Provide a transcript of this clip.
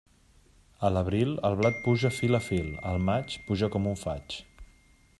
A l'abril, el blat puja fil a fil; al maig, puja com un faig.